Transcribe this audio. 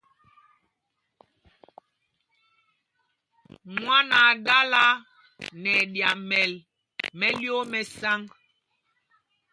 Mwán aa dala nɛ ɛɗyamɛl mɛ́lyōō mɛ́ sǎŋg.